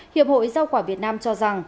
hiệp hội rau quả việt nam cho rằng